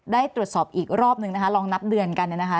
ได้ตรวจสอบอีกรอบนึงนะคะลองนับเดือนกันเนี่ยนะคะ